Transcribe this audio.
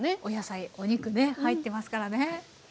お野菜お肉ね入ってますからね。